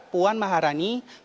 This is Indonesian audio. puan maharani juga